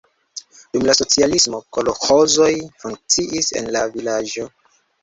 Dum la socialismo kolĥozoj funkciis en la vilaĝo.